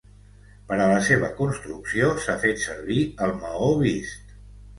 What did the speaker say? Per a la seva construcció s'ha fet servir el maó vist.